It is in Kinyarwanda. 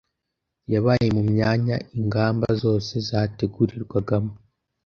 yabaye mu myanya ingamba zose zategurirwagamo,